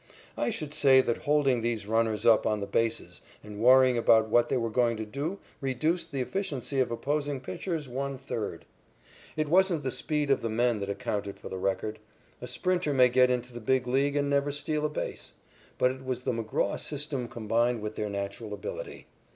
I should say that holding these runners up on the bases and worrying about what they were going to do reduced the efficiency of opposing pitchers one third. It wasn't the speed of the men that accounted for the record. A sprinter may get into the Big League and never steal a base. But it was the McGraw system combined with their natural ability.